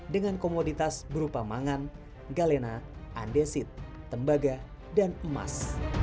dengan komoditas berupa mangan galena andesit tembaga dan emas